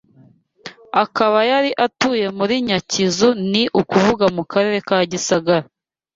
Akaba yari atuye muri Nyakizu ni ukuvuga mu Karere ka Gisagara.